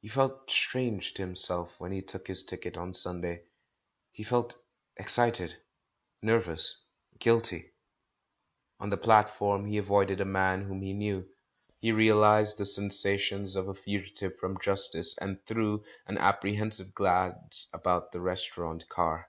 He felt strange to himself when he took his ticket on Sunday. He felt excited, nervous, guilty. On the platform he avoided a man whom he knew. He realised the sensations of a fugitive from justice, and threw an apprehensive glance about the restaurant car.